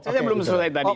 saya belum selesai tadi